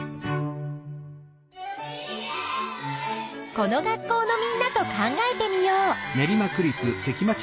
この学校のみんなと考えてみよう！